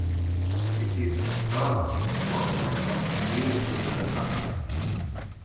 It is thus one type of nucleotide.